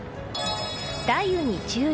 雷雨に注意。